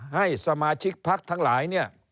ให้สมาชิกพักทั้งหลาย